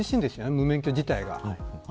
無免許自体が。